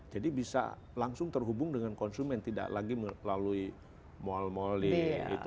jadi bisa langsung terhubung dengan konsumen tidak lagi melalui mall mall nya